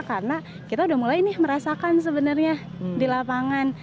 karena kita udah mulai nih merasakan sebenarnya di lapangan